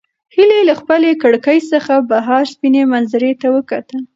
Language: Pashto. هیلې له خپلې کړکۍ څخه بهر سپینې منظرې ته وکتل.